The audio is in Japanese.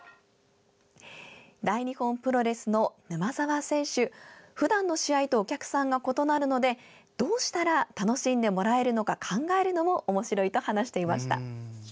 大日本プロレスの沼澤選手ふだんの試合とお客さんが異なるのでどうしたら楽しんでもらえるのか考えるのもおもしろいと話していました。